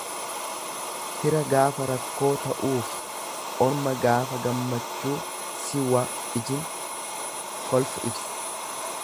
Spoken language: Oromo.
Fira gaafa rakkoo ta'uufi orma gaafa gammachuu si waijin kolfu ibsa.